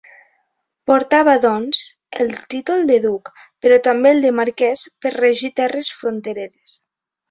Portava, doncs, el títol de duc, però també el de marquès per regir terres frontereres.